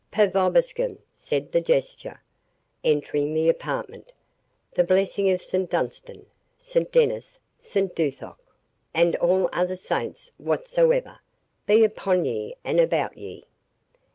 "'Pax vobiscum'," said the Jester, entering the apartment; "the blessing of St Dunstan, St Dennis, St Duthoc, and all other saints whatsoever, be upon ye and about ye."